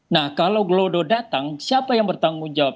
nah kalau glodo datang siapa yang bertanggung jawab